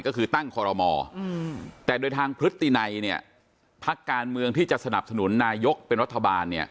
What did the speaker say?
ก็คือตั้งคอรมอแต่โดยทางพฤตินัยเนี่ยพักการเมืองที่จะสนับสนุนนายกเป็นรัฐบาลเนี่ย